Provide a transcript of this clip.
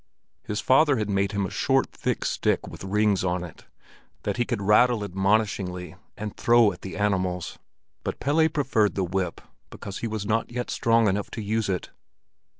His father had made him a short, thick stick with rings on it, that he could rattle admonishingly and throw at the animals; but Pelle preferred the whip, because he was not yet strong enough to use it.